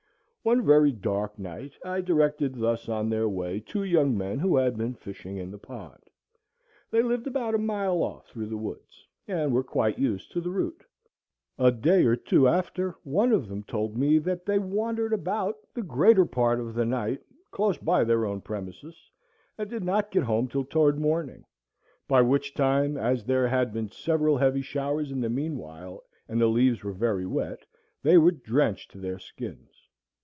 One very dark night I directed thus on their way two young men who had been fishing in the pond. They lived about a mile off through the woods, and were quite used to the route. A day or two after one of them told me that they wandered about the greater part of the night, close by their own premises, and did not get home till toward morning, by which time, as there had been several heavy showers in the mean while, and the leaves were very wet, they were drenched to their skins.